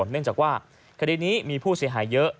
เนื่องจากว่าคดีนี้มีผู้เสียหายเยอะ